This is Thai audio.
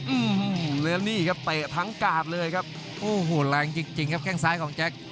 อืมเลลี่ครับเตะทั้งกาดเลยครับโอ้โหแรงจริงจริงครับแค่งซ้ายของแจ็ค